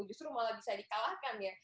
justru malah bisa di kalahkan ya